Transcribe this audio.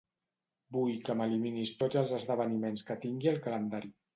Vull que m'eliminis tots els esdeveniments que tingui al calendari.